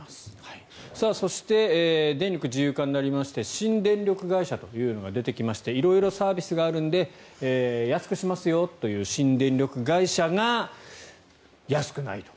そして電力自由化になりまして新電力会社というのが出てきまして色々サービスがあるので安くしますよという新電力会社が安くないと。